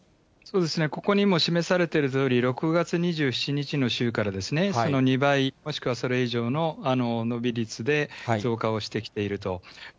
ここにも示されているとおり、６月２７日の週から２倍、それ以上の伸び率で増加をしてきていると。